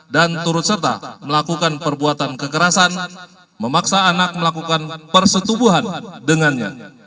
turut serta melakukan perbuatan kekerasan memaksa anak melakukan persetubuhan dengannya